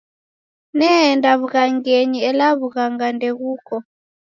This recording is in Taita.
Nedeenda w'ughangenyi ela w'ughanga ndeghuko.